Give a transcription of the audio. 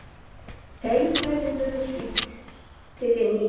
Әйүп Ғәзизович бит... теге ни...